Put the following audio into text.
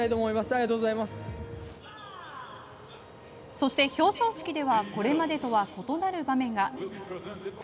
そして表彰式ではこれまでとは異なる場面が。